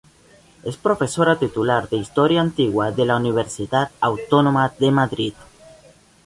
Es profesora titular de Historia Antigua de la Universidad Autónoma de Madrid.